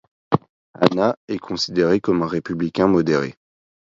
Hanna est considéré comme un républicain modéré.